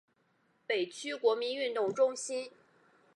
北区国民运动中心